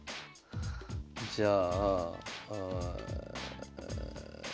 じゃあえ。